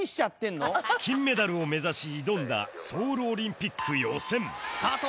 金メダルを目指し挑んだソウルオリンピック予選スタート！